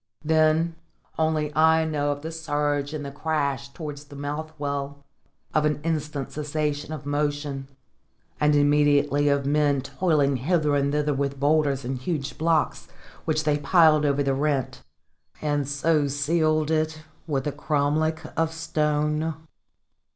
Then only I know of the surge and the crash towards the well mouth, of an instant cessation of motion, and immediately of men toiling hither and thither with boulders and huge blocks, which they piled over the rent, and so sealed it with a cromlech of stone.